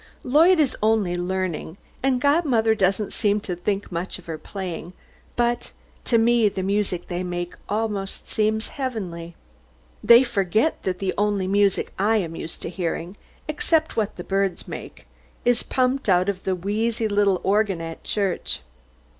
Lloyd is only learning, and godmother doesn't seem to think much of her playing, but to me the music they make seems almost heavenly. They forget that the only music that I am used to hearing, except what the birds make, is pumped out of the wheezy little organ at church.